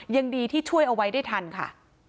ยังดีที่ช่วยเอาไว้ได้ทันค่ะ